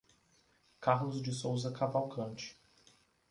Carlos de Souza Cavalcante